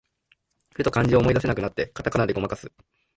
ふと漢字を思い出せなくなって、カタカナでごまかす